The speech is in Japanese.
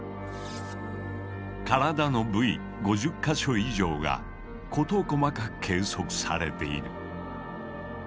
体の部位５０か所以上が事細かく計測されている。